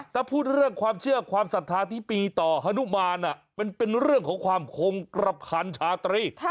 ถ้าพูดเรื่องความเชื่อความศรัทธาที่มีต่อฮนุมานเป็นเรื่องของความคงกระพันชาตรี